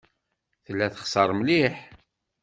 Tella teskeṛ mliḥ.